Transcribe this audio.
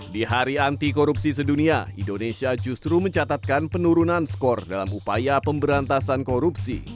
di hari anti korupsi sedunia indonesia justru mencatatkan penurunan skor dalam upaya pemberantasan korupsi